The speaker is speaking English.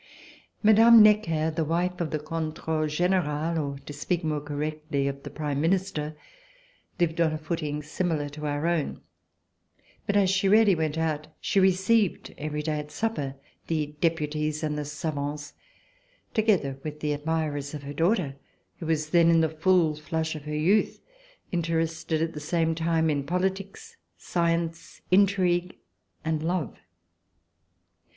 Mme. Necker, the wife of the Co7itrdle Ghieral, or to speak more correctly, of the Prime Minister, lived on a footing similar to our own. But as she rarely went out, she received every day at supper the Deputies and the savants, together with the admirers of her daughter, who was then in the full flush of her youth. Interested at the same time in politics, science. Intrigue and love.